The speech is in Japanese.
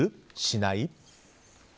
しない？